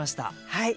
はい。